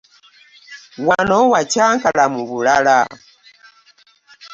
Wano wakyankalamu bulala.